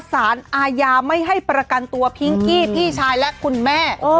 สารอาญาไม่ให้ประกันตัวพิงกี้พี่ชายและคุณแม่